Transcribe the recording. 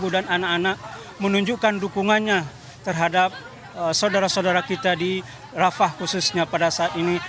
dan anak anak menunjukkan dukungannya terhadap saudara saudara kita di rafah khususnya pada saat ini